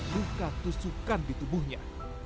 luka tusukan di tubuhnya